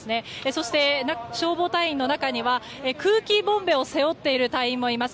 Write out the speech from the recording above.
そして、消防隊員の中には空気ボンベを背負っている隊員もいます。